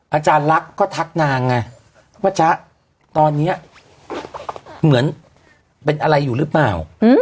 อาจารย์ลักษณ์ก็ทักนางไงว่าจ๊ะตอนนี้เหมือนเป็นอะไรอยู่หรือเปล่า